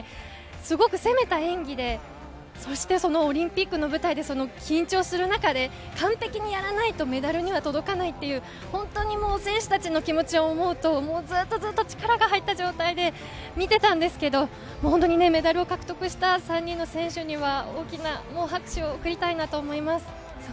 すごく攻めた演技で、このオリンピックの舞台で緊張する中で、完璧にやらないとメダルには届かないという選手たちの気持ちを思うとずっと力が入った状態で見ていたんですけれど、メダルを獲得した３人の選手には大きな拍手を送りたいと思います。